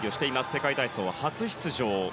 世界体操は初出場。